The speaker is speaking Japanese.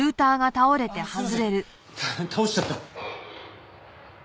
倒しちゃった。